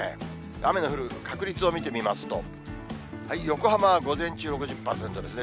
雨の降る確率を見てみますと、横浜は午前中６０％ですね。